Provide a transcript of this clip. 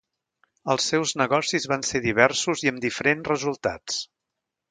Els seus negocis van ser diversos i amb diferents resultats.